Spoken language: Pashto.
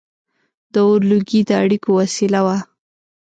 • د اور لوګي د اړیکو وسیله وه.